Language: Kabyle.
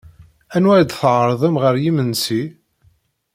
Anwa ay d-tɛerḍem ɣer yimensi?